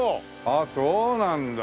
ああそうなんだ。